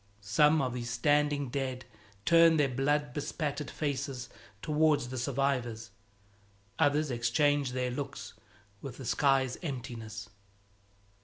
Some of these standing dead turn their blood bespattered faces towards the survivors; others exchange their looks with the sky's emptiness.